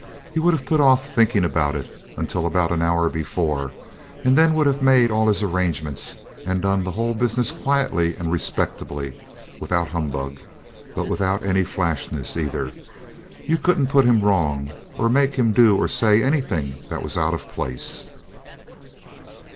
He'd have put off thinking about it until about an hour before, and then would have made all his arrangements and done the whole business quietly and respectably, without humbug, but without any flashness either. You couldn't put him wrong, or make him do or say anything that was out of place.